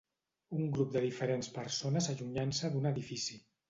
Un grup de diferents persones allunyant-se d'un edifici.